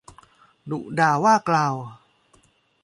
ดุด่าว่ากล่าว